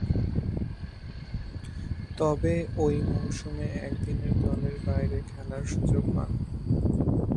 তবে, ঐ মৌসুমে একদিনের দলের বাইরে খেলার সুযোগ পাননি।